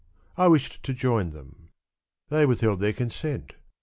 I wished to join them. They withheld their consent.